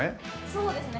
そうですね。